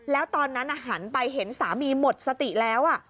แล้วตอนนั้นหันไปเห็นสามีหมดสติแล้ว